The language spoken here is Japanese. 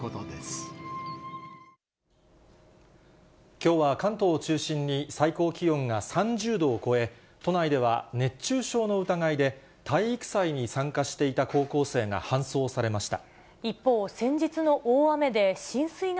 きょうは関東を中心に、最高気温が３０度を超え、都内では熱中症の疑いで、体育祭に参加していた高校生が搬送されました。